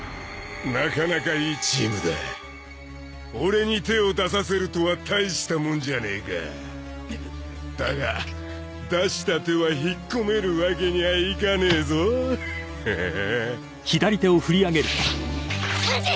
なかなかいいチームだ俺に手を出させるとはたいしたもんじゃねえかだが出した手は引っ込めるわけにはいかねえぞォハハハァサンジ！